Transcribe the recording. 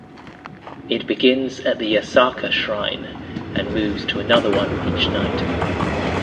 It begins at the Yasaka Shrine and moves to another one each night.